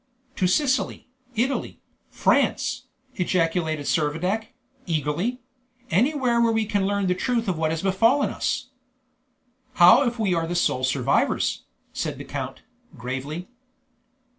"To Sicily, Italy, France!" ejaculated Servadac, eagerly, "anywhere where we can learn the truth of what has befallen us." "How if we are the sole survivors?" said the count, gravely.